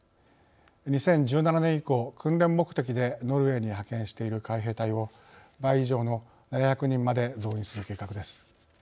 ２０１７年以降訓練目的でノルウェーに派遣している海兵隊を倍以上の７００人まで増員する計画です。